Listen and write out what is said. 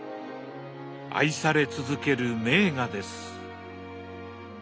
愛され続ける名画です。